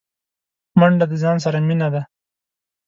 منډه د ځان سره مینه ده